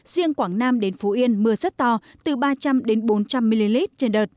riêng quảng nam đến phú yên mưa rất to từ ba trăm linh bốn trăm linh ml trên đợt